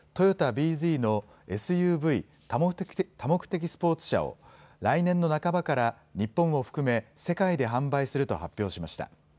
ＳＵＶ・多目的スポーツ車を来年の半ばから日本を含め世界で販売すると発表しました。